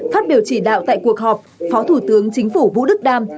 phát biểu chỉ đạo tại cuộc họp phó thủ tướng chính phủ vũ đức đam